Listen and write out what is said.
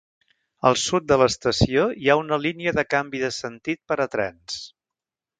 Al sud de l'estació hi ha una línia de canvi de sentit per a trens.